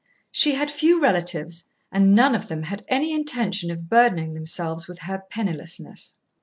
She had few relatives, and none of them had any intention of burdening themselves with her pennilessness.